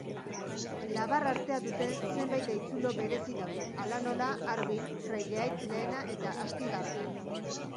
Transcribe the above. Labar-artea duten zenbait haitzulo berezi daude, hala nola Arbil, Praileaitz lehena eta Astigarraga.